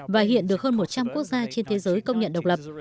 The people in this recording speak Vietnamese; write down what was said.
và hiện được hơn một trăm linh quốc gia trên thế giới công nhận độc lập